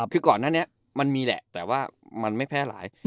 คือก่อนหน้านี้มันมีแหละแต่ว่ามันไม่แพร่หลาย